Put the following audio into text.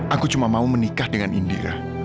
aku cuma mau menikah dengan india